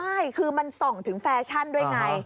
ใช่คือมันส่องถึงแฟชั่นด้วยไง